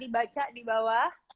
baca di bawah